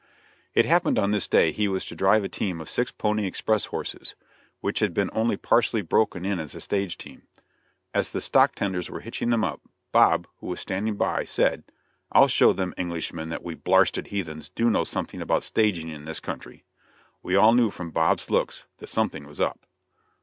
It happened on this day he was to drive a team of six pony express horses, which had been only partially broken in as a stage team. As the stock tenders were hitching them up, Bob, who was standing by, said, "I'll show them Englishmen that we 'blarsted heathens' do know something about staging in this country." We all knew from Bob's looks that something was up.